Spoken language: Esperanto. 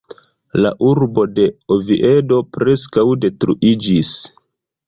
La urbo de Oviedo preskaŭ detruiĝis.